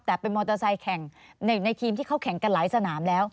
แต่เป็นมอเตอร์ไซค์แข่งหนึ่งในทีมที่เขาแข่งกันหลายสนามแล้ว